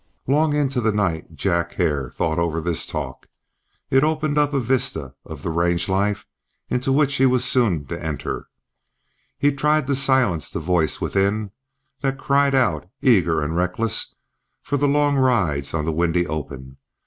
Long into the night Jack Hare thought over this talk. It opened up a vista of the range life into which he was soon to enter. He tried to silence the voice within that cried out, eager and reckless, for the long rides on the windy open.